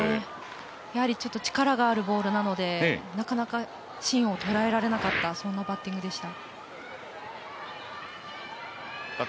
やはりちょっと力があるボールなのでなかなか、芯を捉えられなかったバッティングでした。